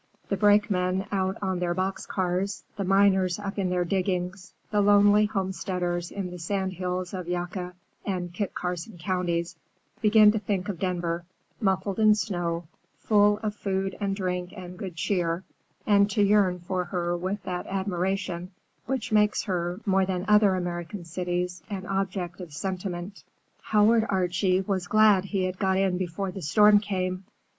The brakemen out on their box cars, the miners up in their diggings, the lonely homesteaders in the sand hills of Yucca and Kit Carson Counties, begin to think of Denver, muffled in snow, full of food and drink and good cheer, and to yearn for her with that admiration which makes her, more than other American cities, an object of sentiment. Howard Archie was glad he had got in before the storm came.